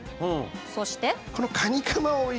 そして。